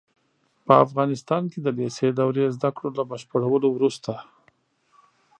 په افغانستان کې د لېسې دورې زده کړو له بشپړولو وروسته